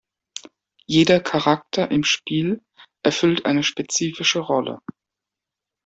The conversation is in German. Jeder Charakter im Spiel erfüllt eine spezifische Rolle.